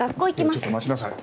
ちょっと待ちなさい。